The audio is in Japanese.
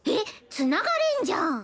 繋がれんじゃん！